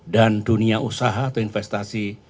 dan dunia usaha atau investasi